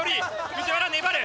藤原粘る。